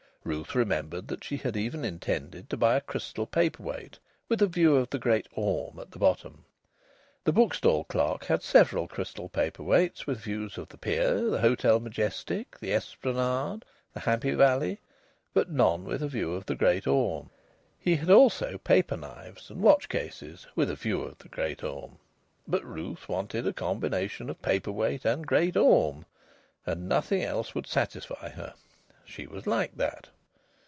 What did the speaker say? Ruth remembered that she had even intended to buy a crystal paper weight with a view of the Great Orme at the bottom. The bookstall clerk had several crystal paper weights with views of the pier, the Hotel Majestic, the Esplanade, the Happy Valley, but none with a view of the Great Orme. He had also paper knives and watch cases with a view of the Great Orme. But Ruth wanted a combination of paper weight and Great Orme, and nothing else would satisfy her. She was like that.